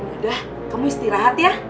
udah kamu istirahat ya